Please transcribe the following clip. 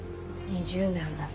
２０年も。